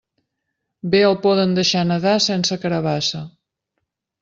Bé el poden deixar nadar sense carabassa.